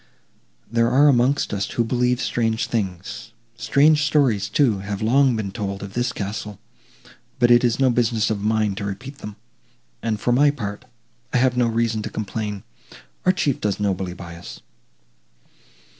There are amongst us, who believe strange things. Strange stories, too, have long been told of this castle, but it is no business of mine to repeat them; and, for my part, I have no reason to complain; our Chief does nobly by us."